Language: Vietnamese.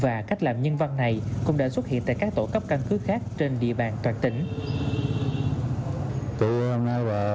và cách làm nhân văn này cũng đã xuất hiện tại các tổ cấp căn cứ khác trên địa bàn toàn tỉnh